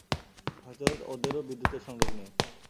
হয়তো ওদেরও বিদ্যুতের সংযোগ নেই!